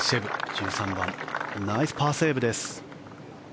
１３番ナイスパーセーブです。